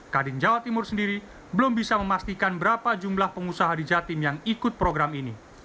kadin jawa timur sendiri belum bisa memastikan berapa jumlah pengusaha di jatim yang ikut program ini